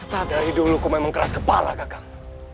dari dulu kok memang keras kepala kakang